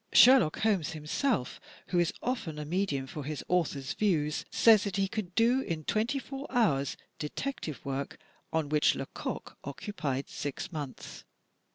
Sherlock Holmes himself, who is often a medium for his author's views, says that he could do in twenty four hours detective work on which Lecoq occupied six months.